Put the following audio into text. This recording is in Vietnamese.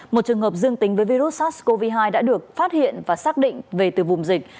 một trường hợp dương tính với virus sars cov hai đã được phát hiện và xác định về từ vùng dịch